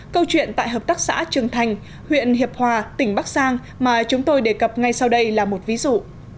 câu chuyện tại hợp tác xã trường thành huyện hiệp hòa tỉnh bắc giang mà chúng tôi đề cập ngay sau đây là một ví dụ